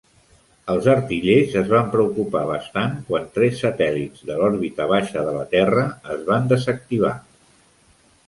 Els artillers es van preocupar bastant quan tres satèl·lits de l'òrbita baixa de la Terra es van desactivar.